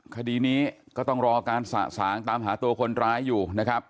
คดีนี้ก็ต้องรอการสะสางตามหาตัวคนร้ายอยู่นะครับ